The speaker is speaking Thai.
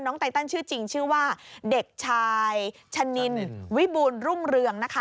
ไตตันชื่อจริงชื่อว่าเด็กชายชะนินวิบูรณรุ่งเรืองนะคะ